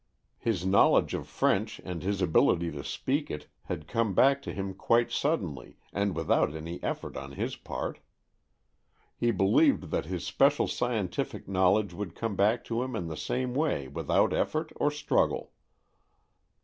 His knowledge of French and his ability to speak it had come back to him quite suddenly, and without any effort on his part. He believed that his special scientific knowledge would come back to him in the same way without effort or struggle.